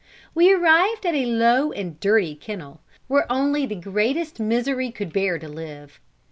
We arrived at a low and dirty kennel, where only the greatest misery could bear to live.